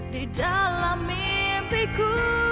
di dalam mimpiku